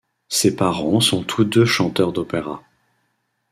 Ses parents sont tous deux chanteurs d'opéra.